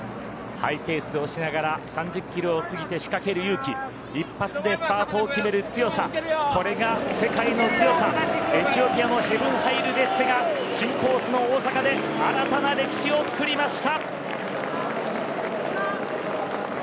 ハイペースで押しながら３０キロを過ぎて仕掛ける勇気一発でスパートを決める強さこれが世界の強さ、エチオピアのヘヴン・ハイル・デッセが新コースの大阪で新たな歴史を作りました。